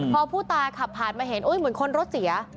พอผู้ตายขับผ่านมาเห็นเหมือนคนรถเสีย